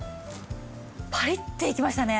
パリッていきましたね。